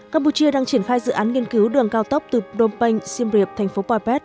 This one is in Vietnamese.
campuchia đang triển khai dự án nghiên cứu đường cao tốc từ phonomenh siemriap poipet